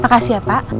makasih ya pak